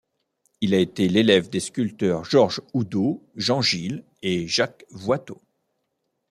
Il a été l’élève des sculpteurs Georges Oudot, Jean Gilles et Jacques Voitot.